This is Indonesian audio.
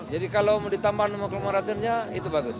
jadi kalau ditambah nomor kelamaraturnya itu bagus